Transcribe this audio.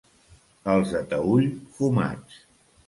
Els de Taüll, fumats.